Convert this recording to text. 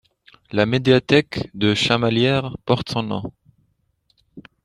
La médiathèque de Chamalières porte son nom.